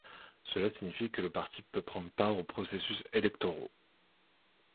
Cela signifie que le parti peut prendre part aux processus électoraux.